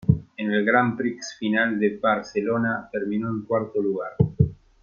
En el "Grand Prix Final" de Barcelona terminó en cuarto lugar.